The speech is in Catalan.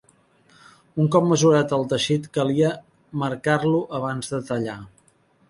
Un cop mesurat el teixit calia marcar-lo abans de tallar.